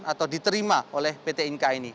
atau diterima oleh pt inka ini